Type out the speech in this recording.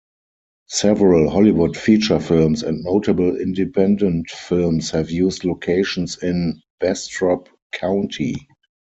Several Hollywood feature films and notable independent films have used locations in Bastrop County.